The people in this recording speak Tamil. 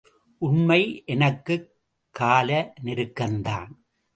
உண்மை, எனக்குக் காலநெருக்கந்தான்.